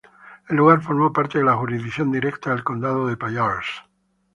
El lugar formó parte de la jurisdicción directa del Condado de Pallars.